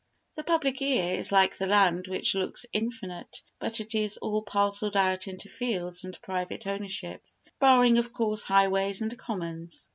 The public ear is like the land which looks infinite but is all parcelled out into fields and private ownerships—barring, of course, highways and commons.